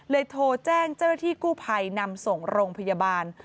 เลยโทรแจ้งเจ้าที่กู้ภัยนำส่งลงพยาบาล